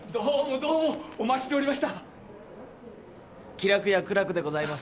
気楽家苦楽でございます。